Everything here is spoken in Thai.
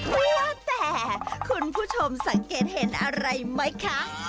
ว่าแต่คุณผู้ชมสังเกตเห็นอะไรไหมคะ